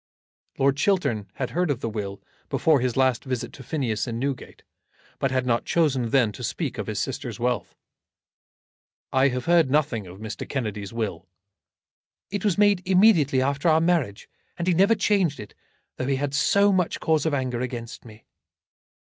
Lord Chiltern had heard of the will before his last visit to Phineas in Newgate, but had not chosen then to speak of his sister's wealth. "I have heard nothing of Mr. Kennedy's will." "It was made immediately after our marriage, and he never changed it, though he had so much cause of anger against me."